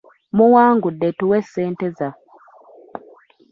Muwangudde tuwe ssente zaffe.